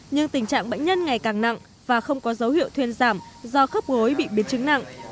nhưng tình trạng bệnh nhân ngày càng nặng và không có dấu hiệu thuyên giảm do khớp gối bị biến chứng nặng